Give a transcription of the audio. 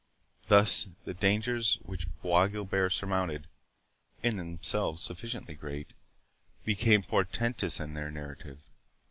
Thus the dangers which Bois Guilbert surmounted, in themselves sufficiently great, became portentous in their narrative.